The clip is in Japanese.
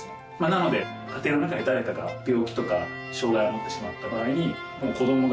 なので家庭の中で誰かが病気とか障がいを持ってしまった場合に。